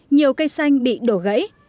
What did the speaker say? nhiều cây xanh bị đổ gãy